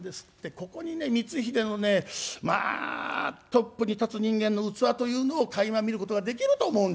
ここにね光秀のねまあトップに立つ人間の器というのをかいま見ることができると思うんですけどね。